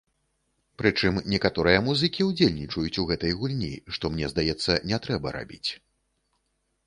Прычым некаторыя музыкі ўдзельнічаюць у гэтай гульні, што, мне здаецца, не трэба рабіць.